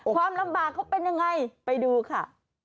ความลำบากเขาเป็นยังไงไปดูค่ะ